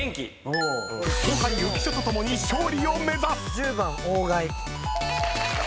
浮所とともに勝利を目指す。